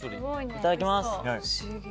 いただきます。